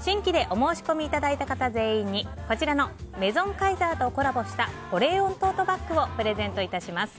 新規でお申し込みいただいた方全員にメゾンカイザーとコラボした保冷温トートバッグをプレゼントいたします。